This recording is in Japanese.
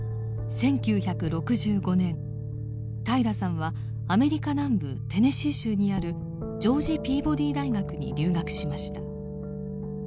１９６５年平良さんはアメリカ南部テネシー州にあるジョージ・ピーボディ大学に留学しました。